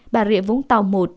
bà rịa vũng tàu một